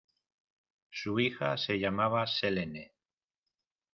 Su hija se llamaba Selene.